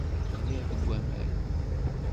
Ɣliɣ deg aman.